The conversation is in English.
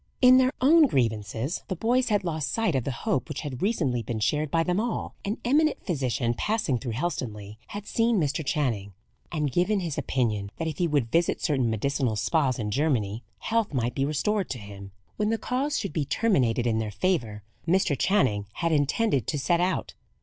In their own grievances the boys had lost sight of the hope which had recently been shared by them all. An eminent physician, passing through Helstonleigh, had seen Mr. Channing, and given his opinion that if he would visit certain medicinal spas in Germany, health might be restored to him. When the cause should be terminated in their favour, Mr. Channing had intended to set out.